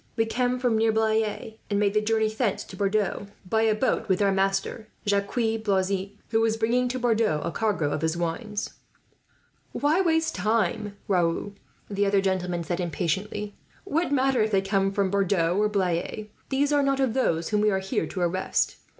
We come from near Blaye, and made the journey thence to Bordeaux by a boat with our master, Jacques Blazin, who was bringing to Bordeaux a cargo of his wines." "Why waste time, Raoul?" the other gentleman said, impatiently. "What matter if they came from Bordeaux or Blaye, these are not of those whom we are here to arrest.